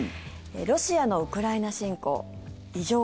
ロシアのウクライナ侵攻異常